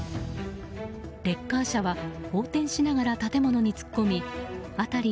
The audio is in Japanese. レッカー車は横転しながら建物に突っ込み辺り